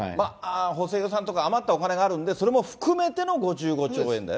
補正予算とか余ったお金があるんで、それも含めての５５兆円